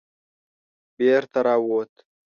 بېرته را ووت.